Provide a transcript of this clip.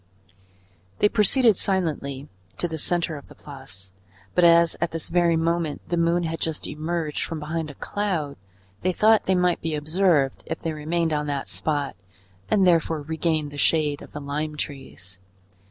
They proceeded silently to the centre of the Place, but as at this very moment the moon had just emerged from behind a cloud, they thought they might be observed if they remained on that spot and therefore regained the shade of the lime trees.